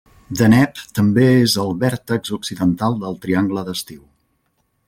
Deneb també és el vèrtex occidental del Triangle d'Estiu.